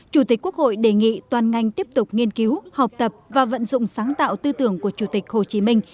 chủ tịch quốc hội đề nghị toàn ngành tiếp tục nghiên cứu học tập và vận dụng sáng tạo tư tưởng của chủ tịch hồ chí minh